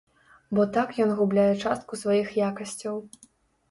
Бо так ён губляе частку сваіх якасцяў.